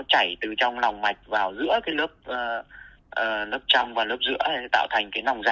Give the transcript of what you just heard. nó chảy từ trong lòng mạch vào giữa cái lớp trong và lớp giữa tạo thành cái lòng giả